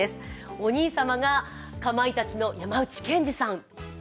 お兄様がかまいたちの山内健司さん。